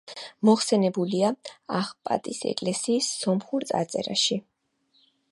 მოხსენიებულია ახპატის ეკლესიის სომხურ წარწერაში.